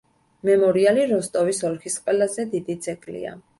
მემორიალი როსტოვის ოლქის ყველაზე დიდი ძეგლია.